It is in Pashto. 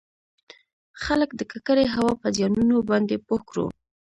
خلــک د ککـړې هـوا پـه زيـانونو بانـدې پـوه کـړو٫